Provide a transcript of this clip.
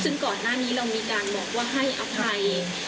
ซึ่งก่อนหน้านี้เรามีการบอกว่าให้อภัย